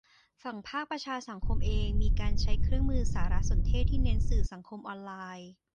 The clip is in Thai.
ฝั่งภาคประชาสังคมเองมีการใช้เครื่องมือสารสนเทศที่เน้นสื่อสังคมออนไลน์